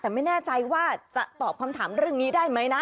แต่ไม่แน่ใจว่าจะตอบคำถามเรื่องนี้ได้ไหมนะ